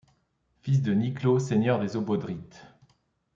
Fils de Niklot, seigneur des Obodrites.